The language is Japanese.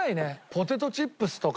ポテトチップスとか。